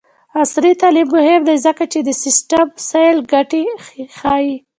عصري تعلیم مهم دی ځکه چې د سټیم سیل ګټې ښيي.